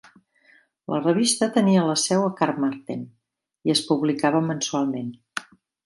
La revista tenia la seu a Carmarthen i es publicava mensualment.